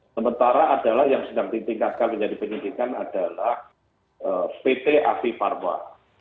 sementara yang sedang ditingkatkan menjadi penyelidikan adalah pt api parwa